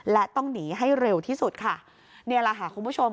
และต้องหนีให้เร็วที่สุดค่ะนี่แหละค่ะคุณผู้ชม